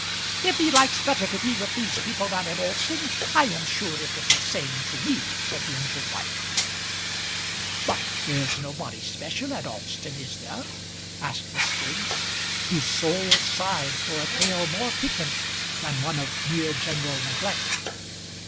"If he likes better to be with these people down at Alston, I am sure it is the same to me," said the injured wife. "But there's nobody special at Alston, is there?" asked Miss Biggs, whose soul sighed for a tale more piquant than one of mere general neglect.